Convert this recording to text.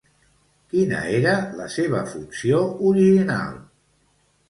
Quina era la seva funció original?